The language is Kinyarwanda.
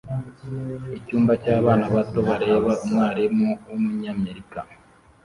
Icyumba cyabana bato bareba umwarimu wumunyamerika